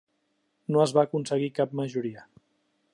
No es va aconseguir cap majoria.